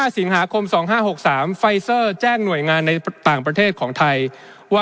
สิงหาคม๒๕๖๓ไฟเซอร์แจ้งหน่วยงานในต่างประเทศของไทยว่า